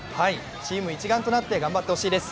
チーム一丸となって頑張ってほしいです。